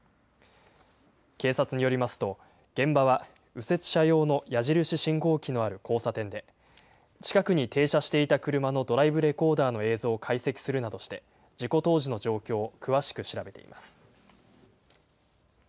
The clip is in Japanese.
警察によりますと、現場は右折車用の矢印信号機のある交差点で、近くに停車していた車のドライブレコーダーの映像を解析するなどして、事故当時の状況を詳しく調べています。